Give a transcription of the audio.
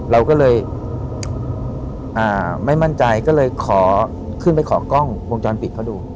เราก็เลยไม่มั่นใจก็เลยขอขึ้นไปขอกล้องวงจรปิดเขาดู